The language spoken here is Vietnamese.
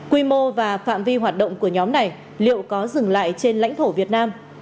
quy mô và phạm vi hoạt động của nhóm này liệu có dừng lại trên lãnh thổ việt nam